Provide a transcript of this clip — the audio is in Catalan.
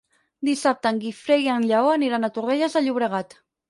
Dissabte en Guifré i en Lleó aniran a Torrelles de Llobregat.